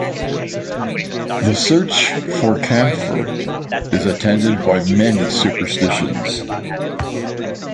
The search for camphor is attended by many superstitions.